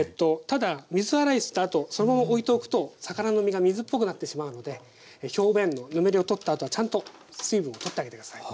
ただ水洗いしたあとそのまま置いておくと魚の身が水っぽくなってしまうので表面のぬめりを取ったあとはちゃんと水分を取ってあげて下さい。